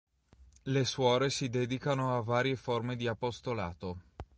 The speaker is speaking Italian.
Le suore si dedicano a varie forme di apostolato.